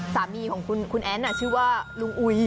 สามีของคุณแอ้นชื่อว่าลุงอุ๋ย